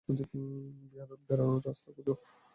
বেরানোর রাস্তা খোঁজো।